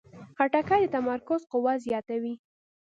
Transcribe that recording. خټکی د تمرکز قوت زیاتوي.